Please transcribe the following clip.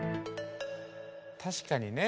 確かにね。